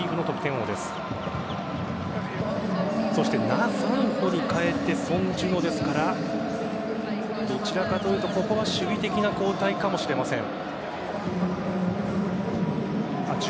ナ・サンホに代えてソン・ジュノですからどちらかというとここは守備的な交代かもしれません。